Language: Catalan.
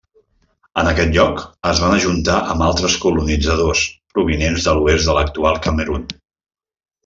En aquest lloc es van ajuntar amb altres colonitzadors provinents de l'oest de l'actual Camerun.